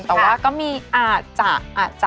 แต่ก็มีอาจจะ